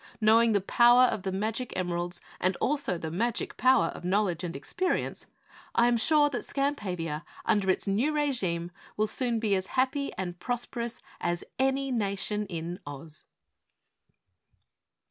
Knowing the power of the magic emeralds, and also the magic power of knowledge and experience, I am sure that Skampavia under its new regime, will soon be as happy and prosperous as any Nation in Oz!